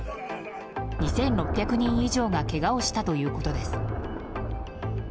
２６００人以上がけがをしたということです。